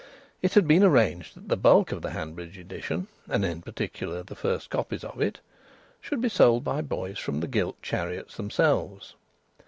It had been arranged that the bulk of the Hanbridge edition, and in particular the first copies of it, should be sold by boys from the gilt chariots themselves.